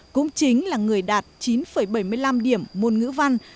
cũng chính là người đạt chín bảy mươi năm điểm môn ngữ văn